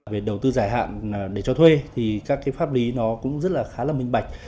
về đầu tư dài hạn để cho thuê các pháp lý nó cũng khá là minh bạch